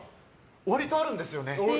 割とあるんですよね。